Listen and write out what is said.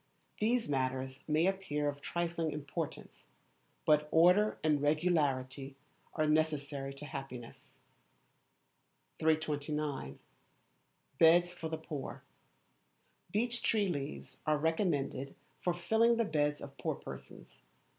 These matters may appear of trifling importance, but order and regularity are necessary to happiness. 329. Beds for the Poor. Beech tree leaves are recommended for filling the beds of poor persons.